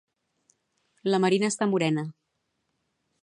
La Marina està morena.